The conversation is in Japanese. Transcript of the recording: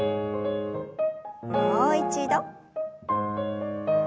もう一度。